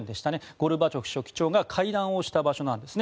ゴルバチョフ書記長が会談をした場所なんですね。